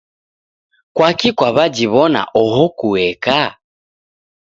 Kwaki kwaw'ajiw'ona oho kueka?